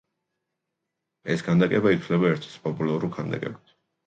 ეს ქანდაკება ითვლება ერთ-ერთ პოპულარულ ქანდაკებად.